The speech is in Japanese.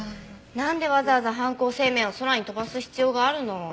なんでわざわざ犯行声明を空に飛ばす必要があるの？